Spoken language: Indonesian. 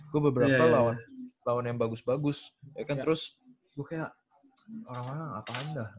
gua beberapa lawan yang bagus bagus terus gua kayak orang orang apaan dah